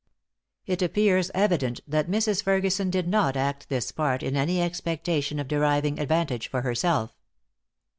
It appears evident that Mrs. Ferguson did not act this part in any expectation of deriving advantage for herself.